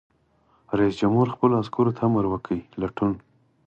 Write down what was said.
رئیس جمهور خپلو عسکرو ته امر وکړ؛ لټون!